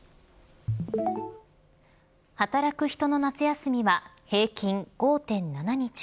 働く人の夏休みは平均５．７日。